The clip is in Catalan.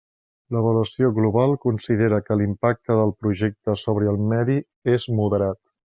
L'avaluació global considera que l'impacte del Projecte sobre el medi és moderat.